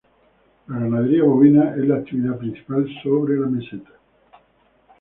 La ganadería bovina es la actividad principal sobre la meseta.